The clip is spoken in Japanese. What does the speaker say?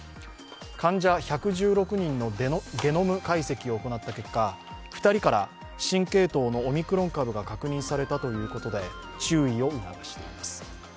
患者１１６人のゲノム解析を行った結果２人から新系統のオミクロン株が確認されたということで注意を促しています。